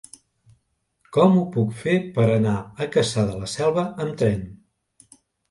Com ho puc fer per anar a Cassà de la Selva amb tren?